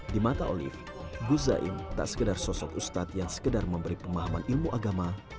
di mata olive gus zain tak sekedar sosok ustadz yang sekedar memberi pemahaman ilmu agama